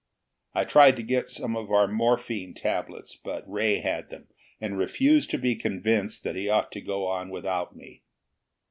I tried to get some of our morphine tablets, but Ray had them, and refused to be convinced that he ought to go on without me.